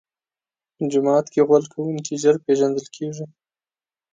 جومات کې غول کوونکی ژر پېژندل کېږي.